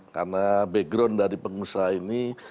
karena background dari pengusaha ini